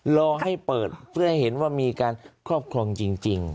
รอให้เปิดเพื่อให้เห็นว่ามีการครอบครองจริง